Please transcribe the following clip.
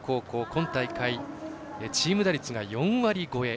今大会、チーム打率が４割超え。